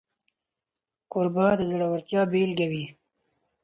کوربه د زړورتیا بيلګه وي.